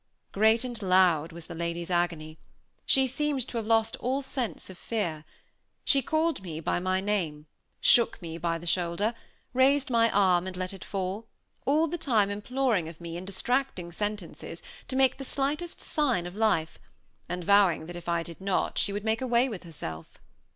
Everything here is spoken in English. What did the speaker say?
Great and loud was the lady's agony. She seemed to have lost all sense of fear. She called me by my name, shook me by the shoulder, raised my arm and let it fall, all the time imploring of me, in distracting sentences, to make the slightest sign of life, and vowing that if I did not, she would make away with herself.